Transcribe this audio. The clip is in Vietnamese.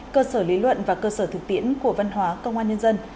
cơ sở lý luận và cơ sở thực tiễn của văn hóa công an nhân dân